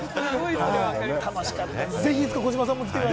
楽しかったです。